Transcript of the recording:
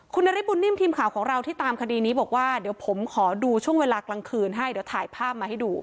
คุณนฤทธบุญนิ่มทีมข่าวของเราที่ตามคดีนี้บอกว่าเดี๋ยวผมขอดูช่วงเวลากลางคืนให้เดี๋ยวถ่ายภาพมาให้ดู